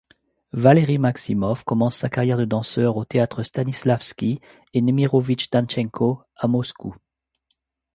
Valery Maximov commence sa carrière de danseur au Théâtre Stanislavsky et Nemirovitch-Danchenko à Moscou.